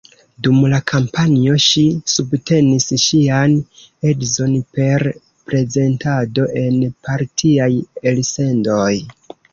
Dum la kampanjo ŝi subtenis ŝian edzon per prezentado en partiaj elsendoj.